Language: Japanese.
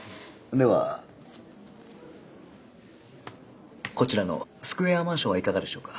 ではこちらのスクエアマンションはいかがでしょうか。